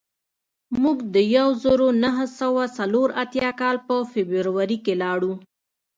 موږ د یو زرو نهه سوه څلور اتیا کال په فبروري کې لاړو